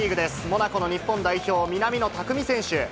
モナコの日本代表、南野拓実選手。